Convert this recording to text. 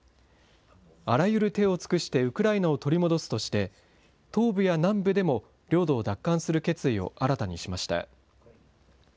あらゆる手を尽くしてウクライナを取り戻すとして、東部や南部でも領土を奪還する決意を新たにしました。